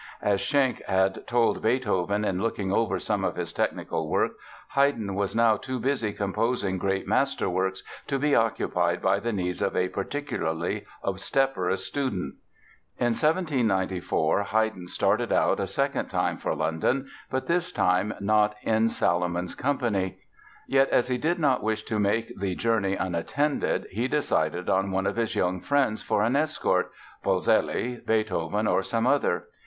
As Schenk had told Beethoven in looking over some of his technical work, Haydn was now too busy composing great masterworks to be occupied by the needs of a particularly obstreperous student. In 1794 Haydn started out a second time for London, but this time not in Salomon's company. Yet as he did not wish to make the journey unattended he decided on one of his young friends for an escort—Polzelli, Beethoven or some other.